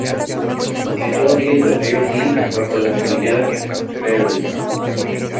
Se sitúa a orillas del río Dee, bajo la Cordillera Berwyn.